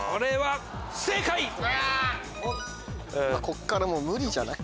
・こっからもう無理じゃない。